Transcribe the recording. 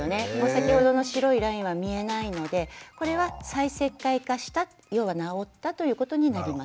先ほどの白いラインは見えないのでこれは再石灰化した要は治ったということになります。